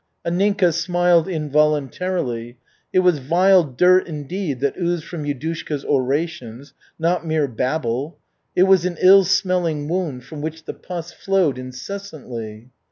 Anninka smiled involuntarily. It was vile dirt indeed, that oozed from Yudushka's orations, not mere babble. It was an ill smelling wound from which the pus flowed incessantly.